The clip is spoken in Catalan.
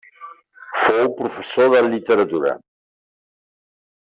Fou professor de literatura.